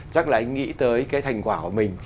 chắc là anh nghĩ tới cái thành quả của mình